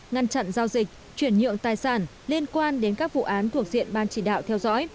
ngăn chặn giao dịch chuyển nhượng tài sản liên quan đến các vụ án thuộc diện ban chỉ đạo theo dõi